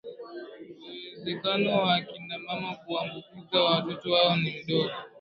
uwezekano wa akina mama kuwaambukiza watoto wao ni mdogo